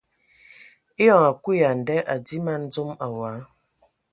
Eyɔŋ a kui ya a nda a dii man dzom awɔi.